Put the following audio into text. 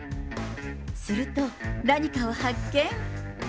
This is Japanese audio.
すると、何かを発見。